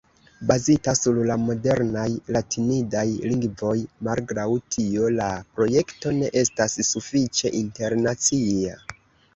Bazita sur la modernaj latinidaj lingvoj, malgraŭ tio, la projekto ne estas sufiĉe internacia.